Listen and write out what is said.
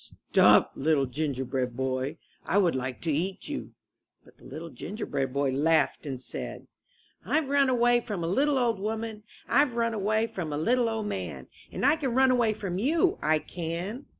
'*Stop, little Ginger bread Boy. I would like to eat you.'* But the Little Gingerbread Boy laughed and said: 'Tve run away from a little old woman, Tve run away from a little old man, And I can run away from you, I can.''